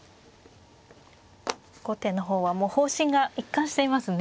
後手の方はもう方針が一貫していますね。